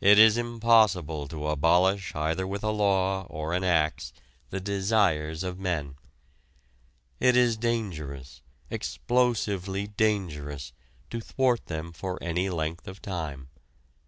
It is impossible to abolish either with a law or an axe the desires of men. It is dangerous, explosively dangerous, to thwart them for any length of time.